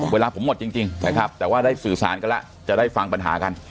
เวลาผมหมดจริงนะครับแต่ว่าได้สื่อสารกันแล้วจะได้ฟังปัญหากัน